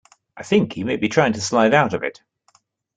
I think he may be trying to slide out of it.